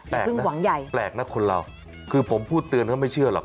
แต่เพิ่งหวังใหญ่แปลกนะคนเราคือผมพูดเตือนเขาไม่เชื่อหรอก